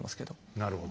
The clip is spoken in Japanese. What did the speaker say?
なるほど。